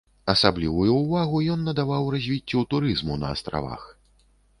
Асаблівую ўвагу ён надаваў развіццю турызму на астравах.